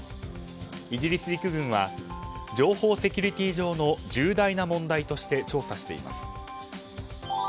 イギリス陸軍は情報セキュリティー上の重大な問題として調査しています。